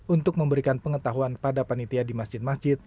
untuk memberikan pengetahuan pada panitia di masjid masjid